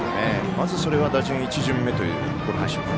まずそれは打順１巡目ということでしょうか。